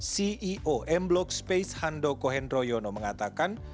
ceo m block space hando kohendroyono mengatakan